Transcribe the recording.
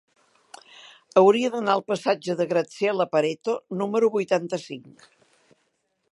Hauria d'anar al passatge de Graziella Pareto número vuitanta-cinc.